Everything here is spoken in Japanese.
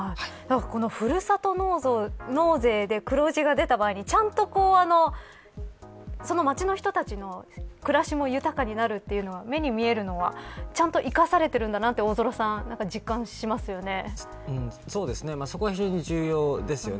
ふるさと納税で黒字が出た場合にちゃんと、その町の人たちの暮らしも豊かになるというのが目に見えるのはちゃんと生かされているんだなとそこが非常に重要ですよね。